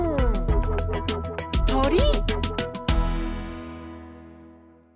とり！